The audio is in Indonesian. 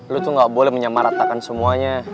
lu tuh gak boleh menyamaratakan semuanya